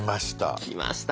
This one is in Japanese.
きました。